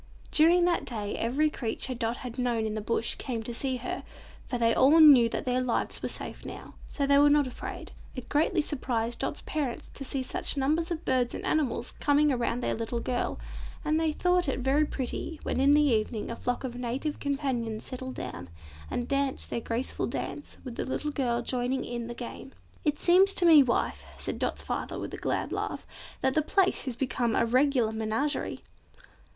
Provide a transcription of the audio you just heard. During that day every creature Dot had known in the Bush came to see her, for they all knew that their lives were safe now, so they were not afraid. It greatly surprised Dot's parents to see such numbers of birds and animals coming around their little girl, and they thought it very pretty when in the evening a flock of Native Companions settled down, and danced their graceful dance with the little girl joining in the game. "It seems to me, wife," said Dot's father with a glad laugh, "that the place has become a regular menagerie!"